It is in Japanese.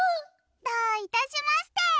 どういたしまして！